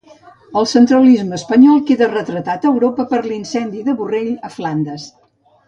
El centralisme espanyol queda retratat a Europa per l'incendi de Borrell a Flandes.